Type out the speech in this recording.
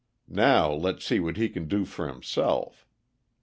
Now let's see what he can do for himself.